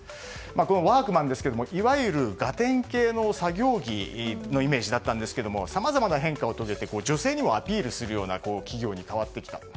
このワークマンですがいわゆるガテン系の作業着のイメージだったんですがさまざまな変化を遂げて女性にもアピールするような企業に変わってきた。